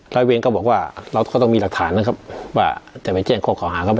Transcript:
ร้อยเวรก็บอกว่าเราก็ต้องมีหลักฐานนะครับว่าจะไปแจ้งข้อเก่าหาเขาไหม